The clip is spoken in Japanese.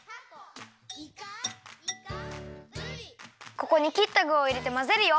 ここにきったぐをいれてまぜるよ。